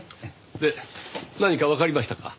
で何かわかりましたか？